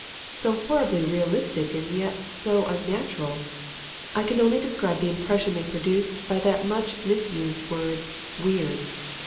So horribly realistic and yet so unnatural! I can only describe the impression they produced by that much misused word "weird."